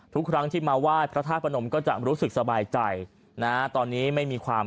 ทุกครั้งที่มาไหว้พระธาตุพนมก็จะรู้สึกสบายใจนะตอนนี้ไม่มีความ